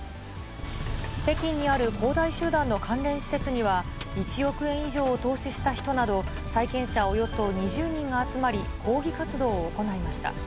北京にある恒大集団の関連施設には、１億円以上を投資した人など、債権者およそ２０人が集まり、抗議活動を行いました。